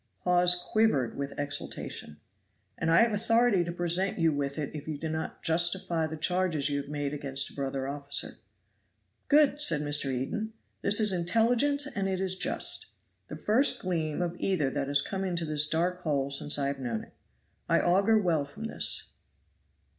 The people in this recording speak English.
Hawes quivered with exultation. "And I have authority to present you with it if you do not justify the charges you have made against a brother officer." "Good!" said Mr. Eden. "This is intelligent and it is just. The first gleam of either that has come into this dark hole since I have known it. I augur well from this."